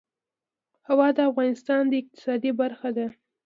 هوا د افغانستان د اقتصاد برخه ده.